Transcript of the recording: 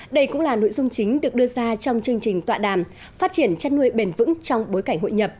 đây cũng là nội dung chính được đưa ra trong chương trình tọa đàm phát triển chăn nuôi bền vững trong bối cảnh hội nhập